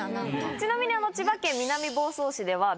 ちなみに。